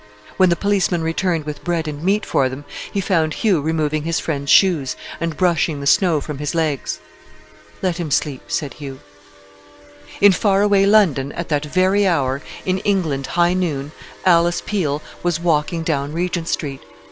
When the policeman returned with bread and meat for them, he found Hugh removing his friend's shoes, and brushing the snow from his legs. "Let him sleep," said Hugh. In far away London at that very hour in England high noon Alice Peel was walking down Regent Street.